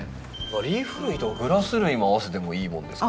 リーフ類とグラス類も合わせてもいいもんですか？